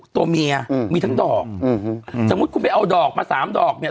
ตัวเมียอืมมีทั้งดอกอืมสมมุติคุณไปเอาดอกมาสามดอกเนี่ย